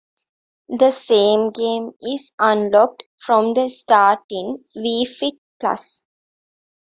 The same game is unlocked from the start in "Wii Fit Plus".